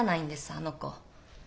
あの子。